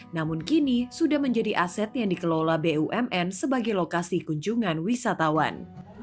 namun kini sudah menjadi aset yang dikelola bumn sebagai lokasi kunjungan wisatawan